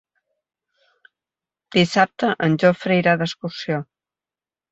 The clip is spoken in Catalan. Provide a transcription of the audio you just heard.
Dissabte en Jofre irà d'excursió.